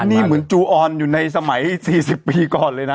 นี่เหมือนจูออนอยู่ในสมัย๔๐ปีก่อนเลยนะ